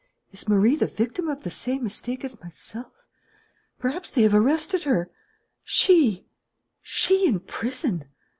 Is Marie the victim of the same mistake as myself? Perhaps they have arrested her? She, she in prison!"